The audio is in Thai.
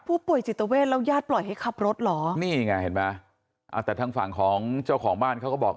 ผู้ป่วยจิตเวทแล้วญาติปล่อยให้ขับรถเหรอนี่ไงเห็นไหมอ่าแต่ทางฝั่งของเจ้าของบ้านเขาก็บอก